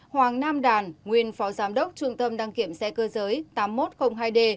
hoàng nam đàn nguyên phó giám đốc trung tâm đăng kiểm xe cơ giới tám nghìn một trăm linh hai d